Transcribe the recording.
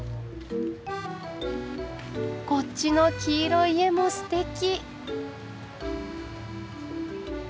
こっちの黄色い家もすてき！